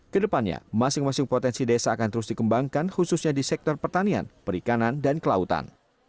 kedepannya masing masing potensi desa akan terus dikembangkan khususnya di sektor pertanian perikanan dan kelautan